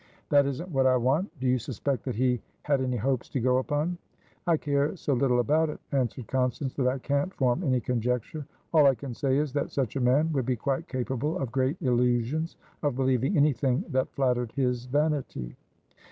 "That isn't what I want. Do you suspect that he had any hopes to go upon?" "I care so little about it," answered Constance, "that I can't form any conjecture. All I can say is, that such a man would be quite capable of great illusionsof believing anything that flattered his vanity."